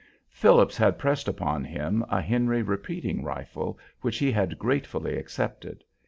Phillips had pressed upon him a Henry repeating rifle, which he had gratefully accepted.